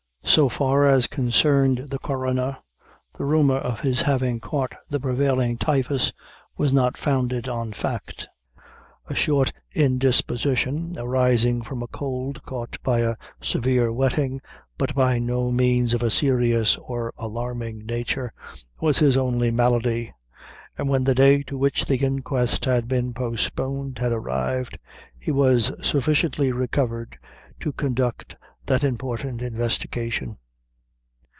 So far as concerned the coroner, the rumor of his having caught the prevailing typhus was not founded on fact. A short indisposition, arising from a cold caught by a severe wetting, but by no means of a serious or alarming nature, was his only malady; and when the day to which the inquest had been postponed had arrived, he was sufficiently recovered to conduct that important investigation.